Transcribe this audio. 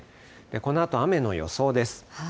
このあと、雨の予想です。